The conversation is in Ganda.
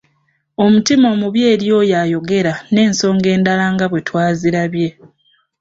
Omutima omubi eri oyo ayogera n’ensonga endala nga bwe twazirabye.